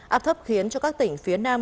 áp thấp khiến cho các tỉnh phía nam